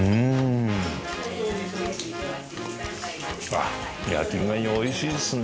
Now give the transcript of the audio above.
あっ焼きガニおいしいですね。